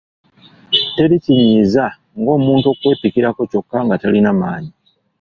Teri kinyiiza ng’omuntu akwepikirako kyokka nga talina maanyi.